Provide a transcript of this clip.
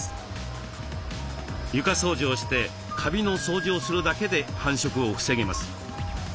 床掃除をしてカビの掃除をするだけで繁殖を防げます。